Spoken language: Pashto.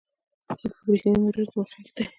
چین په برېښنايي موټرو کې مخکښ دی.